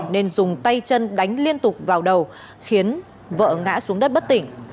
nên dùng tay chân đánh liên tục vào đầu khiến vợ ngã xuống đất bất tỉnh